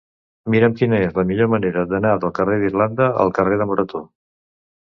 Mira'm quina és la millor manera d'anar del carrer d'Irlanda al carrer de Morató.